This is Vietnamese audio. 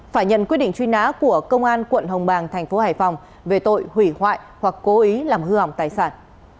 phải nhận quyết định truy nã của công an tp hải phòng về tội hủy hoại hoặc cố ý làm hư hỏng tài sản